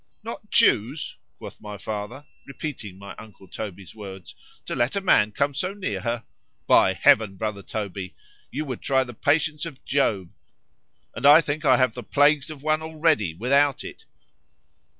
—"Not choose," quoth my father, (repeating my uncle Toby's words) "to let a man come so near her!"——By Heaven, brother Toby! you would try the patience of Job;—and I think I have the plagues of one already without it.